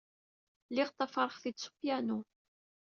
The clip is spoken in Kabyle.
Lliɣ ṭṭafareɣ-t-id s upyanu.